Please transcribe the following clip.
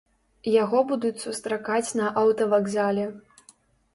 Яго будуць сустракаць на аўтавакзале.